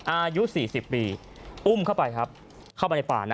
อายุ๔๐ปีอุ้มเข้าไปครับเข้าไปในป่านะ